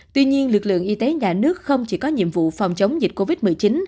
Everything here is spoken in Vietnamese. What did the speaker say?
tuy nhiên lực lượng y tế nhà nước không chỉ có nhiệm vụ phòng chống dịch covid một mươi chín